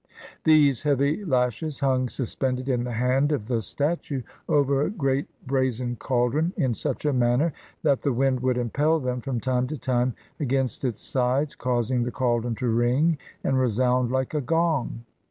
These heavy lashes hung suspended in the hand of the statue over a great brazen caldron, in such a manner that the wind would impel them, from time to time, against its sides, causing the caldron to ring and resound like a gong.